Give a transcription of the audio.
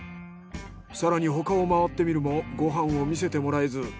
更に他を回ってみるもご飯を見せてもらえず。